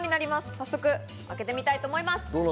早速、開けてみたいと思います。